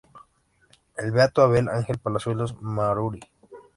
El Beato Abel Angel Palazuelos Maruri.